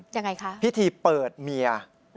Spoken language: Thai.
ยังไงคะพิธีเปิดเมีย